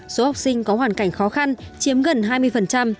số học sinh có hoàn cảnh khó khăn chiếm gần hai mươi